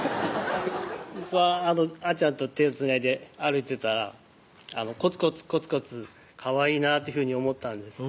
僕はあっちゃんと手つないで歩いてたらコツコツコツコツ可愛いなっていうふうに思ったんです